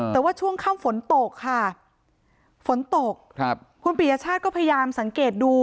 แต่ว่าช่วงค่ำฝนตกค่ะฝนตกครับคุณปียชาติก็พยายามสังเกตดู